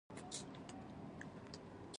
خواړه چې وګوري وایي کوم فلېور په کې شته.